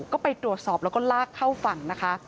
ก็ไปตรวจสอบแล้วก็ลากเข้าฝั่งนะคะ